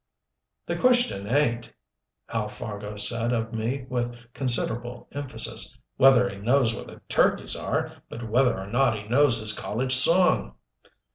"The question ain't," Hal Fargo said of me with considerable emphasis, "whether he knows where the turkeys are, but whether or not he knows his college song!"